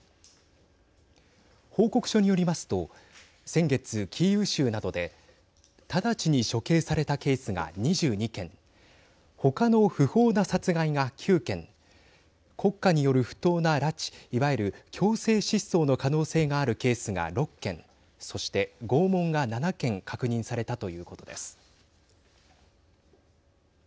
報告書によりますと先月、キーウ州などで直ちに処刑されたケースが２２件ほかの不法な殺害が９件国家による不当な拉致、いわゆる強制失踪の可能性があるケースが６件そして拷問が７件確認されたということです。